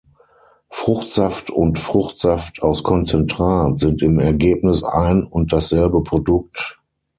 Fruchtsaft und Fruchtsaft aus Konzentrat sind im Ergebnis ein und dasselbe Produkt.